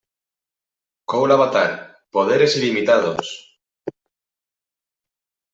Cole avatar: Poderes ilimitados.